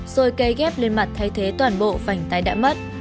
rồi cây ghép lên mặt thay thế toàn bộ vành tay đã mất